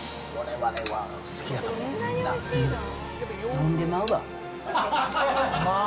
飲んでまうわ。